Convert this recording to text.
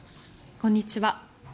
こんにちは。